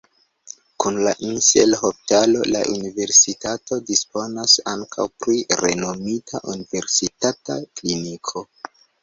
Kun la Insel-hospitalo la universitato disponas ankaŭ pri renomita universitata kliniko.